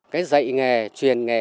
cái dạy nghề truyền nghề